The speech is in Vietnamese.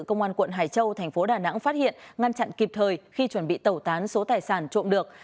công an quận hải châu thành phố đà nẵng phát hiện ngăn chặn kịp thời khi chuẩn bị tẩu tán số tài sản trộm được